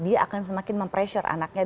dia akan semakin mempressure anaknya